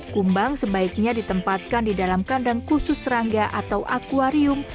kumbang sebaiknya ditempatkan di dalam kandang khusus serangga atau akwarium